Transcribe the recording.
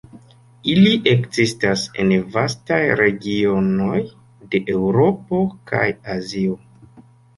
Ili ekzistas en vastaj regionoj de Eŭropo kaj Azio.